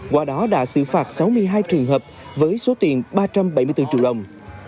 qua đó đã xử phạt sáu mươi hai trường hợp với số tiền ba trăm bảy mươi bốn triệu đồng